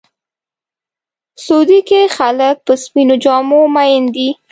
سعودي کې خلک په سپینو جامو مین دي.